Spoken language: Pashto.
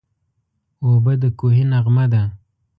اوبه د کوهي نغمه ده.